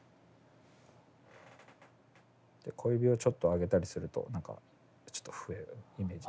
小指をちょっと上げたりすると何かちょっと笛をイメージ。